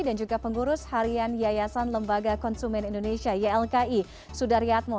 dan juga pengurus harian yayasan lembaga konsumen indonesia ylki sudaryatmo